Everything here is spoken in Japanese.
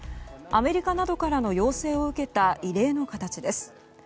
アメリカなどからの要請を受けた異例の形です。